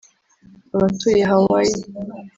Abatuye Hawaii